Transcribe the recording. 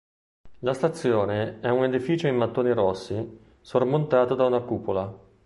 La stazione è un edificio in mattoni rossi, sormontato da una cupola.